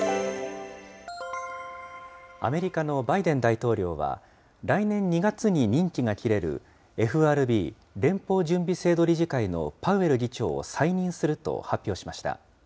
アメリカのバイデン大統領は、来年２月に任期が切れるＦＲＢ・連邦準備制度理事会のパウエル議長を再任すると発表しました。